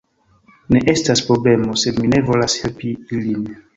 Ne estas problemo. Sed mi ne volas helpi ilin.